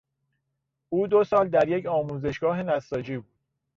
او دو سال در یک آموزشگاه نساجی بود.